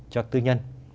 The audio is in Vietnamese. cho tư nhân